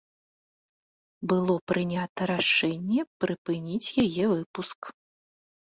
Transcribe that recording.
Было прынята рашэнне прыпыніць яе выпуск.